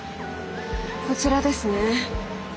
こちらですね？